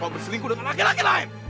mau berselingkuh dengan laki laki lain